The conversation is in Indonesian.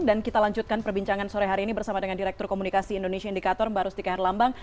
dan kita lanjutkan perbincangan sore hari ini bersama dengan direktur komunikasi indonesia indekator mbak rustika herlambang